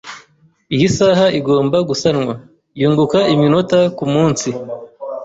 Iyi saha igomba gusanwa. Yunguka iminota kumunsi.